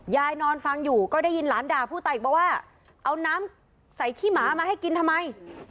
ยายนอนฟังอยู่ก็ได้ยินหลานด่าผู้ตายอีกบอกว่าเอาน้ำใส่ขี้หมามาให้กินทำไม